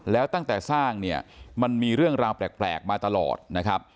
แล้วตั้งแต่สร้างเนี่ยมันมีเรื่องราวแปลกมาตลอดนะครับ